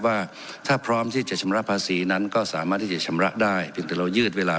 ว่าถ้าพร้อมที่จะชำระภาษีนั้นก็สามารถที่จะชำระได้เพียงแต่เรายืดเวลา